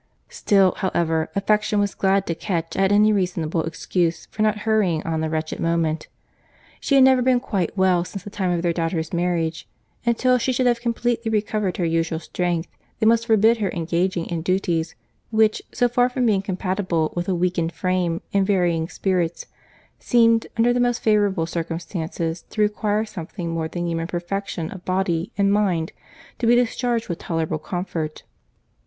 Still, however, affection was glad to catch at any reasonable excuse for not hurrying on the wretched moment. She had never been quite well since the time of their daughter's marriage; and till she should have completely recovered her usual strength, they must forbid her engaging in duties, which, so far from being compatible with a weakened frame and varying spirits, seemed, under the most favourable circumstances, to require something more than human perfection of body and mind to be discharged with tolerable comfort.